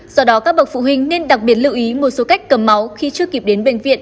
do đó các bậc phụ huynh nên đặc biệt lưu ý một số cách cầm máu khi chưa kịp đến bệnh viện